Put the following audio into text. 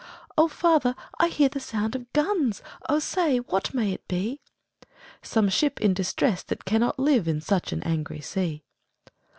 'O father! I hear the sound of guns, O say, what may it be?' 'Some ship in distress that cannot live In such an angry sea!'